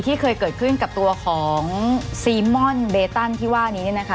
เคยเกิดขึ้นกับตัวของซีม่อนเบตันที่ว่านี้เนี่ยนะคะ